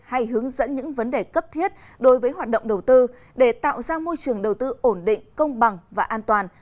hay hướng dẫn những vấn đề cấp thiết đối với hoạt động đầu tư để tạo ra môi trường đầu tư ổn định công bằng và an toàn